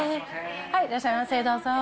いらっしゃいませ、どうぞ。